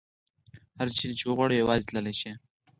هر چیرې چې وغواړي یوازې تللې شي.